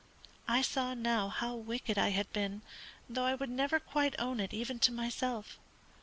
I saw now how wicked I had been, though I would never quite own it even to myself.